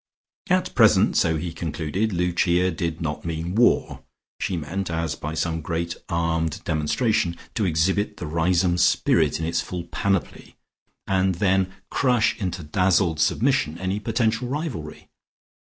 At present, so he concluded, Lucia did not mean war. She meant, as by some great armed demonstration, to exhibit the Riseholme spirit in its full panoply, and then crush into dazzled submission any potential rivalry.